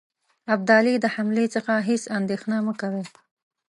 ابدالي د حملې څخه هیڅ اندېښنه مه کوی.